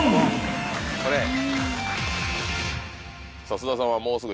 菅田さんはもうすぐ。